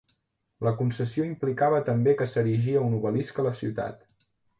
La concessió implicava també que s'erigia un obelisc a la ciutat.